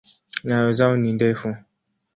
Nyayo zao ni ndefu.